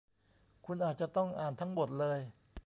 คุณอาจจะต้องอ่านทั้งบทเลย